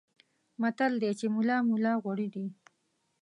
متل دی چې ملا ملا غوړي دي.